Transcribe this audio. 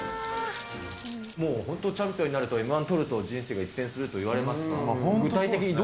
もう本当、チャンピオンになると、Ｍー１取ると人生が一変すると言われますが。